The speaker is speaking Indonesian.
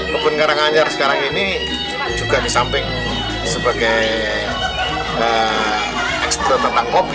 wabun karang anyar sekarang ini juga di samping sebagai eksplo tentang kopi